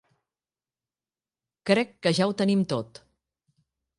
Crec que ja ho tenim tot.